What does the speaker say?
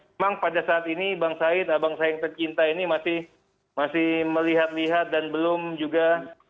memang pada saat ini bang syed abang syed yang tercinta ini masih masih melihat lihat dan belum juga